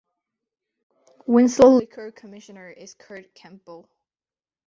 Winslow Liquor Commissioner is Curt Campbell.